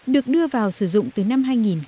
được đưa vào sử dụng từ năm hai nghìn ba